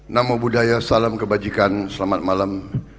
namo buddhaya salam kebajikan selamat malam